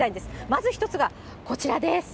まず１つがこちらです。